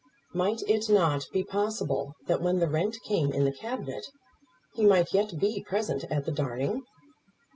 Might it not be possible that when the rent came in the Cabinet, he might yet be present at the darning?